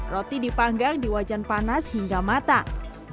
roti dipanggang di wajan panas hingga matang